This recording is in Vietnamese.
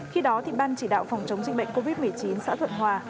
khi đó ban chỉ đạo phòng chống dịch bệnh covid một mươi chín xã thuận hòa